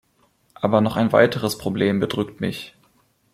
Aber noch ein weiteres Problem bedrückt mich.